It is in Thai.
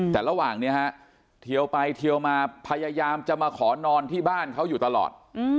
แต่ระหว่างนี้ฮะเทียวไปเทียวมาพยายามจะมาขอนอนที่บ้านเขาอยู่ตลอด